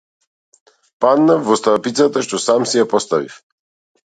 Паднав во стапицата што сам си ја поставив.